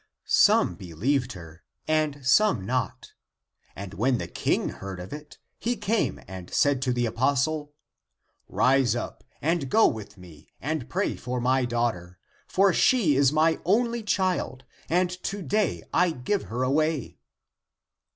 Some believed her, and some not. And when the King heard of it, he came and said to the apostle, " Rise up and go with me, and pray for my daughter. For she is my only child and to day I give her away."